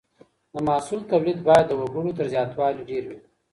د محصول توليد بايد د وګړو تر زياتوالي ډېر وي.